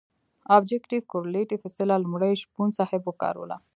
ابجګټف کورلیټف اصطلاح لومړی شپون صاحب وکاروله.